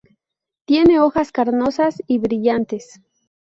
Tiene hojas carnosas y brillantes.